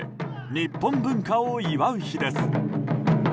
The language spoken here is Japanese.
日本文化を祝う日です。